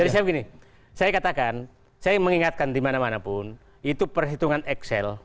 jadi saya begini saya katakan saya mengingatkan dimana mana pun itu perhitungan excel